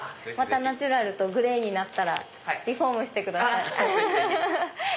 ナチュラルとグレーになったらリフォームしてください。